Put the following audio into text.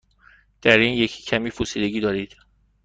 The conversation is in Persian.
در این یکی کمی پوسیدگی دارید.